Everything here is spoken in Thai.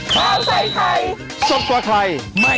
โปรดติดตามตอนต่อไป